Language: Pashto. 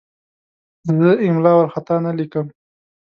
زه املا وارخطا نه لیکم.